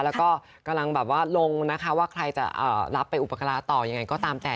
แล้วก็กำลังแบบว่าลงนะคะว่าใครจะรับไปอุปการะต่อยังไงก็ตามแต่